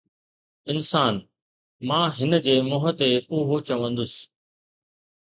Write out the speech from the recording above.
انسان، مان هن جي منهن تي اهو چوندس